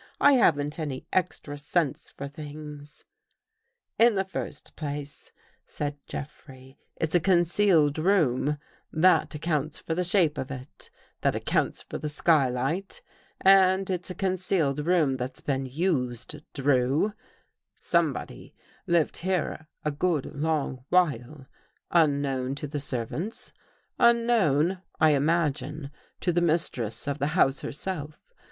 I haven't any extra sense for things." " In the first place," said Jeffrey, " It's a con cealed room. That accounts for the shape of It —^ that accounts for the skylight. And It's a con cealed room that's been used, Drew. Somebody lived here a good long while — unknown to the servants — unknown, I imagine, to the mistress of 224 THE HOUSEBREAKERS the house herself.